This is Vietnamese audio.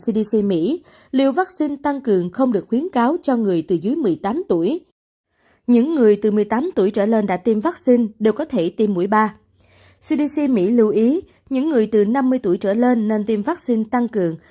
cdc mỹ lưu ý những người từ năm mươi tuổi trở lên nên tiêm vaccine tăng cường